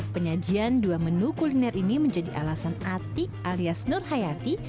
penyajian dua menu kuliner ini menjadi alasan atik alias nur hayati